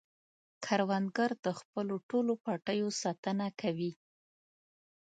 کروندګر د خپلو ټولو پټیو ساتنه کوي